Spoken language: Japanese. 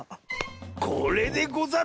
これでござる。